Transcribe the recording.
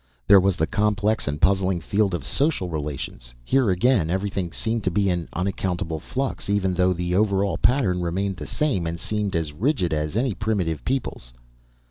There was the complex and puzzling field of social relations here again everything seemed to be in unaccountable flux, even though the over all pattern remained the same and seemed as rigid as any primitive people's.